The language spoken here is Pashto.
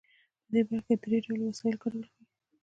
په دې برخه کې درې ډوله وسایل کارول کیږي.